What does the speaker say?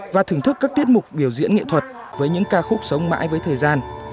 và thưởng thức các tiết mục biểu diễn nghệ thuật với những ca khúc sống mãi với thời gian